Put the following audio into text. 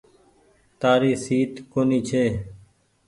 تآري سيٽ ڪونيٚ ڇي۔